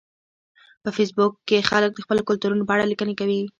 په فېسبوک کې خلک د خپلو کلتورونو په اړه لیکنې کوي